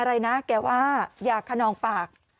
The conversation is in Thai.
อะไรนะแกว่าอย่าขนองปาก